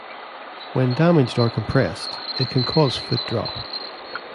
When damaged or compressed, it can cause foot drop.